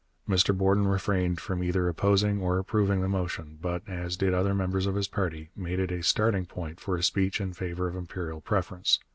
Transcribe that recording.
Mr Borden refrained from either opposing or approving the motion, but, as did other members of his party, made it a starting point for a speech in favour of imperial preference.